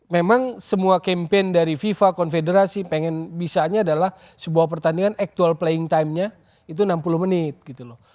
memang semua campaign dari fifa konfederasi pengen bisanya adalah sebuah pertandingan actual playing timenya itu enam puluh menit gitu loh